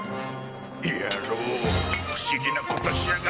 野郎不思議なことしやがって。